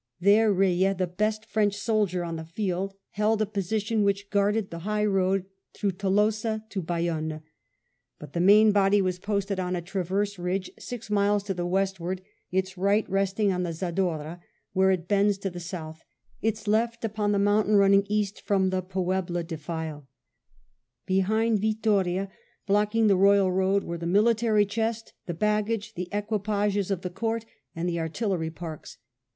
There Reille, the best French soldier on the field, held a position which guarded the high road through Tolosa to Bayonne. But the main body was |X)sted on a transverse N 178 WELLINGTON chap. ridge six miles to the westward, its right resting on the Zadorra where it bends to the south, its left upon the mountain running east from the Puebla defila Behind Yittoria, blocking the royal road, were the military chesty the baggage, the equipages of the Courts and the artillery parks.